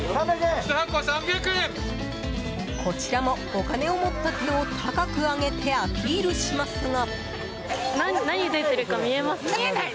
こちらもお金を持った手を高く上げてアピールしますが。